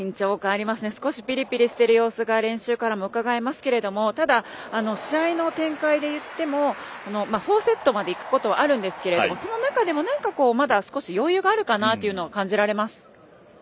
少しぴりぴりしてる様子が練習からもうかがえますけどもただ試合の展開でいっても４セットまでいくことはあるんですけどその中でも、まだ少し余裕があるかなと感じられます。